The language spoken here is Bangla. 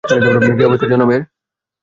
কি অবস্থা, জনাবের?